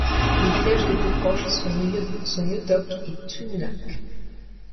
Les villages les plus proches sont Newtok et Tununak.